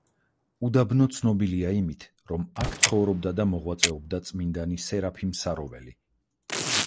უდაბნო ცნობილია იმით, რომ აქ ცხოვრობდა და მოღვაწეობდა წმინდანი სერაფიმ საროველი.